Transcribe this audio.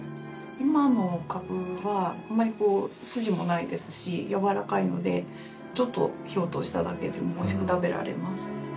今のかぶはあまりこう筋もないですしやわらかいのでちょっと火を通しただけでも美味しく食べられます。